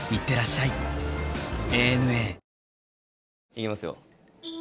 いきますよ！